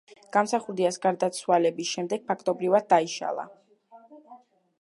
გამსახურდიას გარდაცვალების შემდეგ, ფაქტობრივად, დაიშალა.